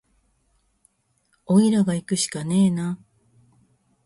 おいらがいくしかねえな